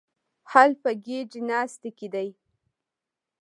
حل په ګډې ناستې کې دی.